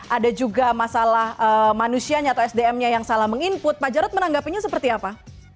ada juga masalah manusianya atau sdm nya yang salah meng input pak jarod menanggapinya seperti apa